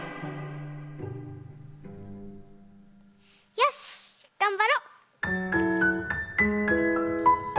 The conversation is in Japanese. よしっがんばろう！